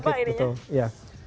dikit dikit betul ya